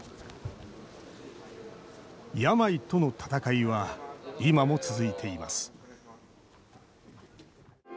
病との闘いは、今も続いています。